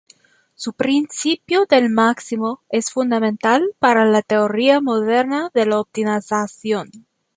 Su principio del máximo es fundamental para la teoría moderna de la optimización.